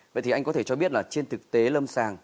vậy thì anh có thể cho biết là trên thực tế lâm sàng